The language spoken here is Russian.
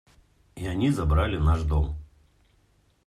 И они забрали наш дом.